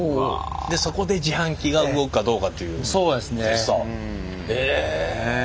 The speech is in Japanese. そこで自販機が動くかどうかというテスト。